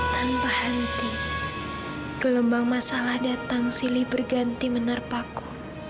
tanpa henti gelombang masalah datang silih berganti menerpaku